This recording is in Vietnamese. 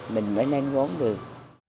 mình mới nên gốm được